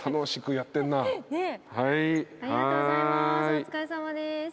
お疲れさまです。